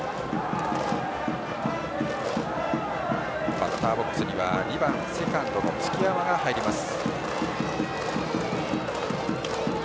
バッターボックスには２番セカンドの月山が入ります。